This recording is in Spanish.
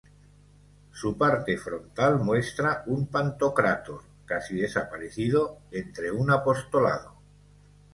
Su parte frontal muestra un Pantocrátor, casi desaparecido, entre un apostolado.